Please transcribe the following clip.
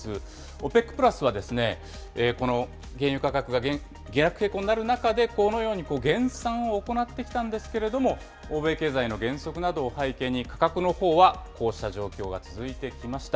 ＯＰＥＣプラスはこの原油価格が下落傾向になる中で、このように減産を行ってきたんですけれども、欧米経済の減速などを背景に、価格のほうはこうした状況が続いてきました。